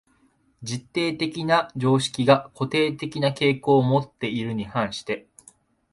実定的な常識が固定的な傾向をもっているに反して、